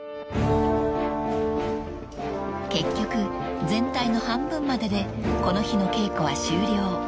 ［結局全体の半分まででこの日の稽古は終了］